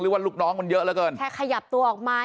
หรือว่าลูกน้องมันเยอะแล้วเกิน